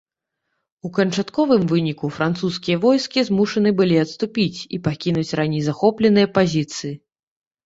У канчатковым выніку французскія войскі змушаны былі адступіць і пакінуць раней захопленыя пазіцыі.